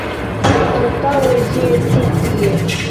Antaŭe ĝi estis tie.